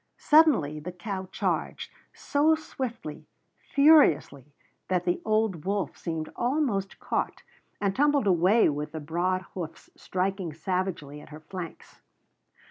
Suddenly the cow charged, so swiftly, furiously, that the old wolf seemed almost caught, and tumbled away with the broad hoofs striking savagely at her flanks.